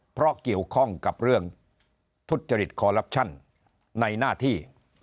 เพราะเกี่ยวข้องกับเรื่องทุจริตคอลลับชั่นในหน้าที่